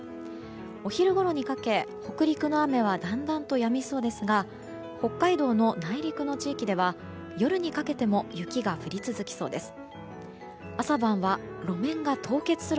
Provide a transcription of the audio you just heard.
お昼ごろにかけ、北陸の雨はだんだんとやみそうですが北海道の内陸の地域では夜にかけても雪が降り続きそうです。